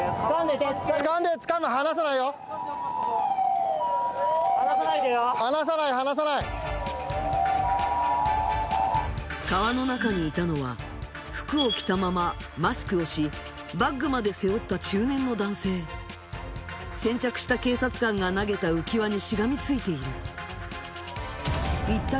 掴んでて川の中にいたのは服を着たままマスクをしバッグまで背負った中年の男性先着した警察官が投げた浮き輪にしがみついている一体